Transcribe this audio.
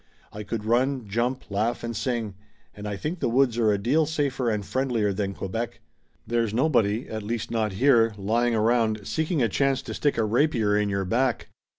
I could run, jump, laugh and sing. And I think the woods are a deal safer and friendlier than Quebec. There's nobody, at least not here, lying around seeking a chance to stick a rapier in your back."